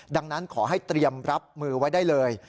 ดังนั้นขอให้เตรียมรับมือไว้ได้เลย